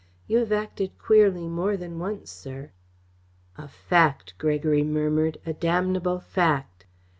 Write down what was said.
You have acted queerly more than once, sir." "A fact," Gregory murmured; "a damnable fact!"